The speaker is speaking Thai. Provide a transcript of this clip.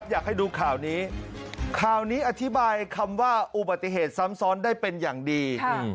อยากให้ดูข่าวนี้ข่าวนี้อธิบายคำว่าอุบัติเหตุซ้ำซ้อนได้เป็นอย่างดี